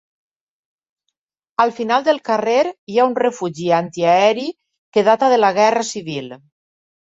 Al final del carrer hi ha un refugi antiaeri que data de la guerra civil.